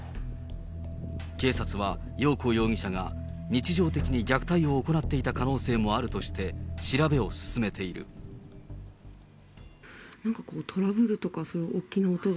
警察はよう子容疑者が、日常的に虐待を行っていた可能性もあるとして、なんかこう、トラブルとかそういう大きな音は？